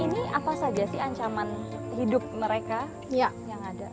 jadi apa saja sih ancaman hidup mereka yang ada